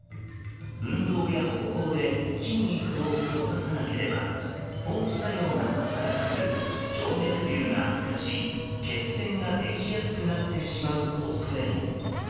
運動や歩行で筋肉を動かさなければポンプ作用が働かず静脈瘤が悪化し血栓ができやすくなってしまう恐れも。